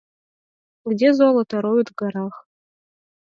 Где золото роют в горах